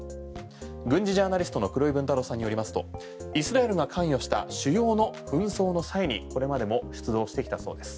軍事ジャーナリストの黒井文太郎さんによりますとイスラエルが関与した主要の紛争の際にこれまでも出動してきたそうです。